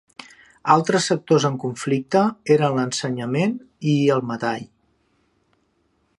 Altres sectors en conflicte, eren l'ensenyament i el metall.